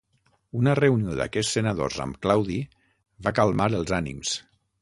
Una reunió d'aquests senadors amb Claudi va calmar els ànims.